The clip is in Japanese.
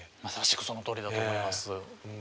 まさしくそのとおりだと思います。